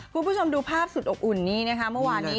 คุณผู้ชมดูภาพสุดอบอุ่นนี้นะคะเมื่อวานนี้